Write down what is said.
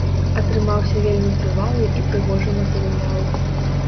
Атрымаўся вельмі трывалы і прыгожы матэрыял.